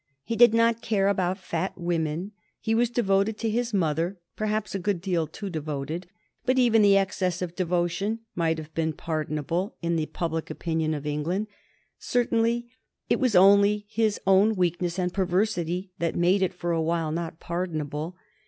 He did not care about fat women. He was devoted to his mother perhaps a good deal too devoted, but even the excess of devotion might have been pardonable in the public opinion of England; certainly it was only his own weakness and perversity that made it for a while not pardonable.